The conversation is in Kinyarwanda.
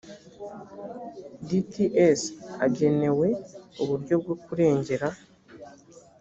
dts agenewe uburyo bwo kurengera